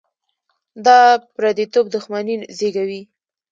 دا پرديتوب دښمني زېږوي.